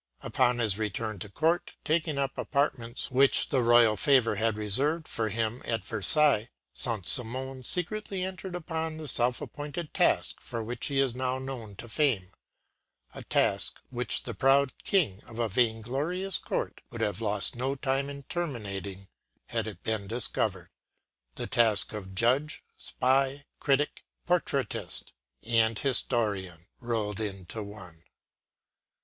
Upon his return to Court, taking up apartments which the royal favour had reserved for him at Versailles, Saint Simon secretly entered upon the self appointed task for which he is now known to fame a task which the proud King of a vainglorious Court would have lost no time in terminating had it been discovered the task of judge, spy, critic, portraitist, and historian, rolled into one.